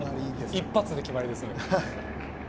一発で決まりですね。